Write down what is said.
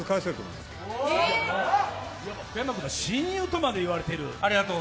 いまや親友とまで言われている。